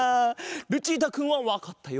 ルチータくんはわかったようだぞ。